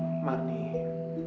dalam percaraual dunia